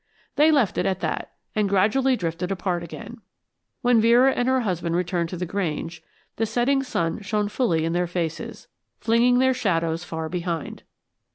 They left it at that, and gradually drifted apart again. When Vera and her husband returned to the Grange, the setting sun shone fully in their faces, flinging their shadows far behind.